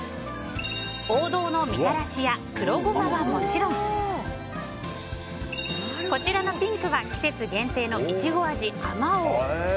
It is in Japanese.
王道のみたらしや黒ゴマはもちろんこちらのピンクは季節限定のイチゴ味、あまおう。